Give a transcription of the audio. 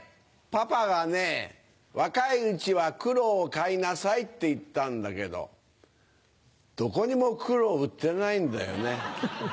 パパがね若いうちは苦労を買いなさいって言ったんだけどどこにも苦労売ってないんだよね。